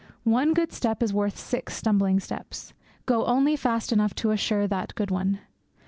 One good step is worth six stumbling steps; go only fast enough to assure that good one.